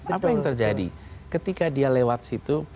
apa yang terjadi ketika dia lewat situ